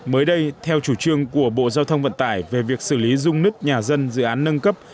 mới đây theo chủ trương của bộ giao thông vận tải về việc xử lý dung nứt nhà dân dự án nâng cấp